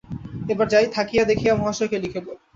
এবার যাইয়া থাকিয়া দেখিয়া মহাশয়কে লিখিব।